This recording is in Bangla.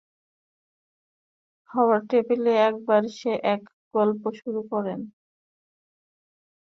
খাওয়ার টেবিলে একবার সে এক গল্প শুরু করল।